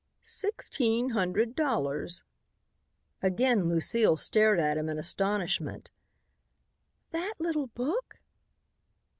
"Sixteen hundred dollars." Again Lucile stared at him in astonishment. "That little book!"